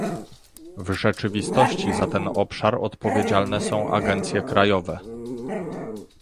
W rzeczywistości za ten obszar odpowiedzialne są agencje krajowe